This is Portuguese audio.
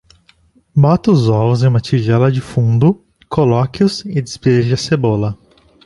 Bata os ovos em uma tigela de fundo, coloque-os e despeje a cebola.